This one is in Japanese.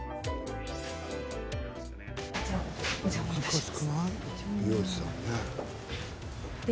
お邪魔いたします。